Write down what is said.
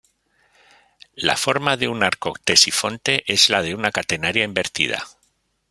La forma de un arco ctesifonte es la de una catenaria invertida.